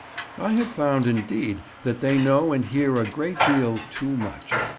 I have found, indeed, that they know and hear a great deal too much.